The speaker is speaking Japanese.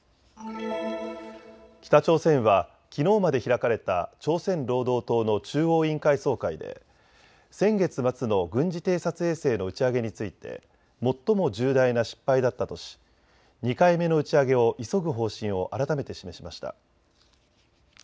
北朝鮮はきのうまで開かれた朝鮮労働党の中央委員会総会で先月末の軍事偵察衛星の打ち上げについて最も重大な失敗だったとし２回目の打ち上げを急ぐ方針を改めて示しました。